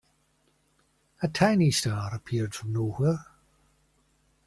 A tiny star appeared from nowhere.